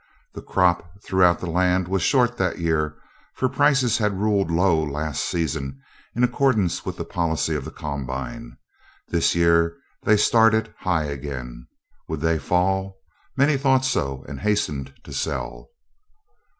The crop throughout the land was short that year, for prices had ruled low last season in accordance with the policy of the Combine. This year they started high again. Would they fall? Many thought so and hastened to sell.